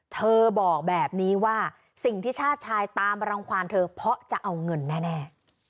เธอบอกแบบนี้ว่าสิ่งที่ชาติชายตามมารังความเธอเพราะจะเอาเงินแน่